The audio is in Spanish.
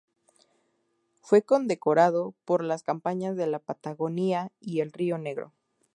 Fue condecorado por las campañas de la Patagonia y el Río Negro.